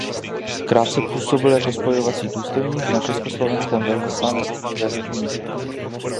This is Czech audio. Krátce působil jako spojovací důstojník na československém velvyslanectví ve Vídni.